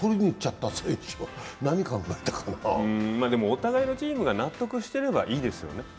お互いのチームが納得してればいいですよね。